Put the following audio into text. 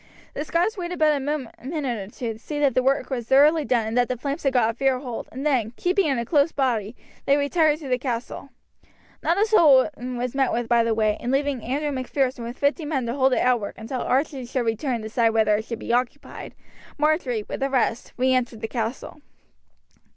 The Scots waited but a minute or two to see that the work was thoroughly done and that the flames had got fair hold, and then, keeping in a close body, they retired to the castle. Not a soul was met with by the way, and leaving Andrew Macpherson with fifty men to hold the outwork until Archie should return and decide whether it should be occupied, Marjory, with the rest, re entered the castle.